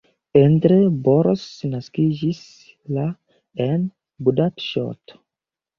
Endre Boros naskiĝis la en Budapeŝto.